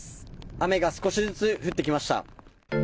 雨が少しずつ降ってきました。